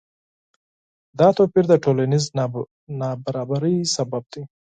دا توپیر د ټولنیز نابرابری سبب دی.